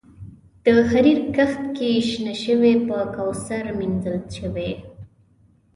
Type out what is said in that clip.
د حریر کښت کې شنه شوي په کوثر کې مینځل شوي